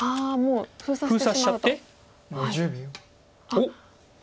おっ！